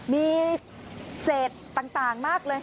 มีเศษต่างมากเลย